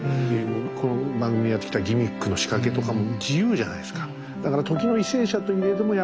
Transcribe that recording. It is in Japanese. この番組やってきたギミックの仕掛けとかも自由じゃないですか。